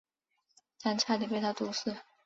但差点被他毒死。